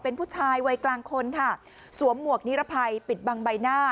เป็นผู้ชายวัยกลางคนค่ะสวมหมวกนิรภัยปิดบังใบหน้า